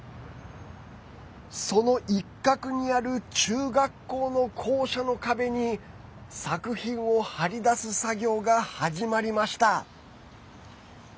その一角にある中学校の校舎の壁に作品を貼り出す作業が始まりました。